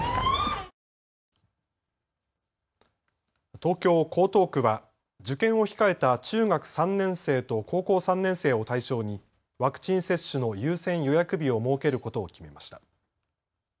東京・江東区は、受験を控えた中学３年生と高校３年生を対象に、ワクチン接種の優先予約日を設けることを決めました。